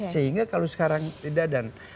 sehingga kalau sekarang tidak